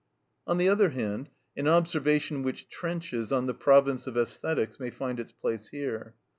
On the other hand, an observation which trenches on the province of æsthetics may find its place here.